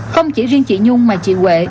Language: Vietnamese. không chỉ riêng chị nhung mà chị huệ